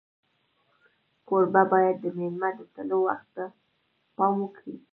کوربه باید د میلمه د تلو وخت ته پام وکړي.